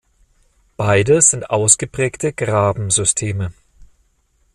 Beide sind ausgeprägte Graben-Systeme.